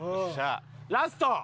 ラスト。